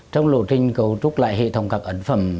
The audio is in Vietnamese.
trong lộ trình cấu trúc lại hệ thống cặp ấn phẩm